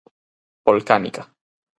Volcánica.